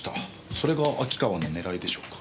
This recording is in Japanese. それが秋川の狙いでしょうか？